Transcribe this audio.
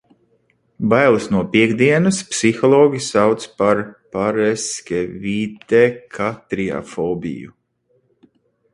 Bailes no piektdienas psihologi sauc par paraskevidekatriafobiju.